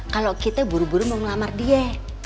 kalau kita buru buru mau ngelamar dia